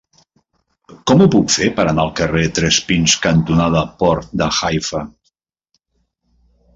Com ho puc fer per anar al carrer Tres Pins cantonada Port de Haifa?